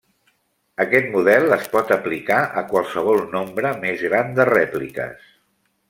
Aquest model es pot aplicar a qualsevol nombre més gran de rèpliques.